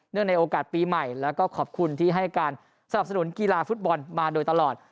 ในโอกาสปีใหม่แล้วก็ขอบคุณที่ให้การสนับสนุนกีฬาฟุตบอลมาโดยตลอด